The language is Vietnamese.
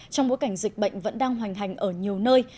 trong bối cảnh dịch bệnh vẫn đang hoành hành ở nhiều nơi